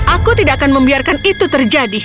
aku tidak akan membiarkan itu terjadi